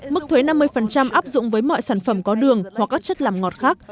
mức thuế năm mươi áp dụng với mọi sản phẩm có đường hoặc các chất làm ngọt khác